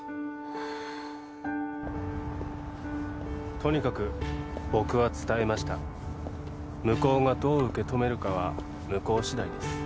とにかく僕は伝えました向こうがどう受け止めるかは向こうしだいです